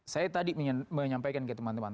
saya tadi menyampaikan ke teman teman